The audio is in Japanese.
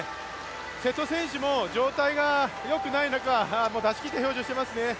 瀬戸選手も状態がよくない中、出し切った表情してますね。